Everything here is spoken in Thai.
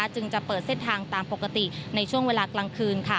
จึงจะเปิดเส้นทางตามปกติในช่วงเวลากลางคืน